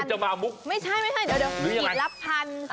กุ๊ดจะมามุกเดี๋ยวขีดละพัน